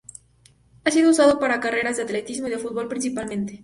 Ha sido usado para carreras de atletismo y de fútbol, principalmente.